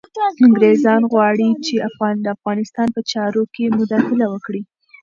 انګریزان غواړي چي د افغانستان په چارو کي مداخله وکړي.